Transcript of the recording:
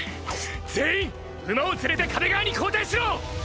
全員馬を連れて壁側に後退しろ！！